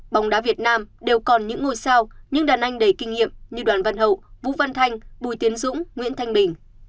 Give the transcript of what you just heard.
bóng đá việt nam đều còn những ngôi sao những đàn anh đầy kinh nghiệm như đoàn văn hậu vũ văn thanh bùi tiến dũng nguyễn thanh bình